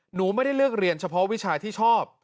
หนูไม่ได้เลือกเรียนเฉพาะวิชาที่ชอบ